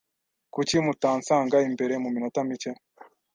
Kuki mutansanga imbere muminota mike?